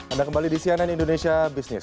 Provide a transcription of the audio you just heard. anda kembali di cnn indonesia business